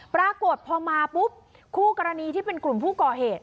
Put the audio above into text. ปรากฏพอมาปุ๊บคู่กรณีที่เป็นกลุ่มผู้ก่อเหตุ